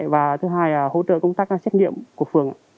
và thứ hai là hỗ trợ công tác xét nghiệm của phường